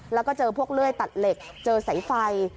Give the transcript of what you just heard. แล้วก็เจอพวกเลื่อยตัดเหล็กเจอสายไฟ